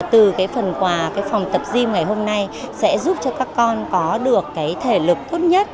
từ phần quà phòng tập gym ngày hôm nay sẽ giúp cho các con có được thể lực tốt nhất